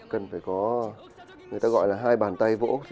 cần phải có người ta gọi là hai bàn tay vỗ